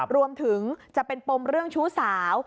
รวมถึงจะเป็นปมเรื่องชู้สาว